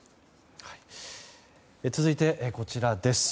続いて、こちらです。